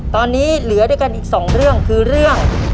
ตอนนี้เหลือด้วยกันอีกสองเรื่องคือเรื่อง